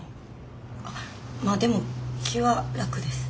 まあでも気は楽です。